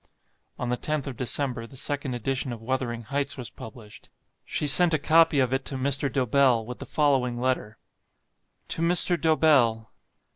On the 10th of December, the second edition of "Wuthering Heights" was published. She sent a copy of it to Mr. Dobell, with the following letter: To MR. DOBELL.